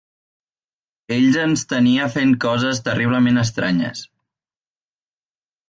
Ell ens tenia fent coses terriblement estranyes.